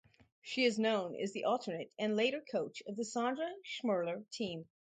She is known as the alternate and later coach of the Sandra Schmirler team.